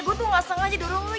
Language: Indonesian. gue tuh gak sengaja dorong lo